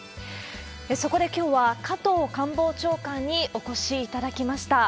そこできょうは加藤官房長官にお越しいただきました。